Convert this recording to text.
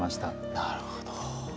なるほど。